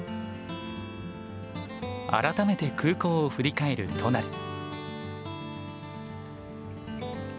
改めて空港を振り返る都成。